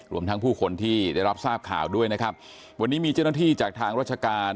รวมทั้งผู้คนที่ได้รับทราบข่าวด้วยนะครับวันนี้มีเจ้าหน้าที่จากทางราชการ